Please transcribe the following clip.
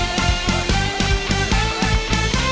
สงสัยกับตัวตัวปลอดภัย